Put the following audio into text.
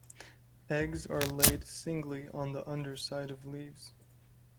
Eggs are laid singly on the underside of leaves.